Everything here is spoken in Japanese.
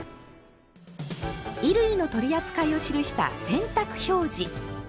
衣類の取り扱いを記した「洗濯表示」。